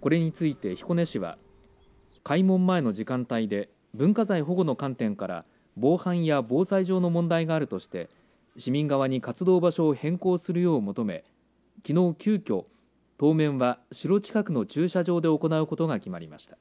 これについて彦根市は開門前の時間帯で文化財保護の観点から防犯や防災上の問題があるとして市民側に活動場所を変更するよう求めきのう、急きょ当面は城近くの駐車場で行うことが決まりました。